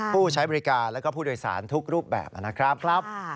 ผู้ใช้บริการแล้วก็ผู้โดยสารทุกรูปแบบนะครับ